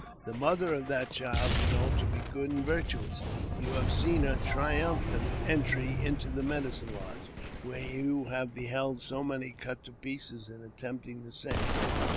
The mother of that child you know to be good and virtuous. You have seen her triumphant entry into the medicine lodge, where you have beheld so many cut to pieces in attempting the same.